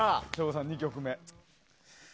省吾さん、２曲目。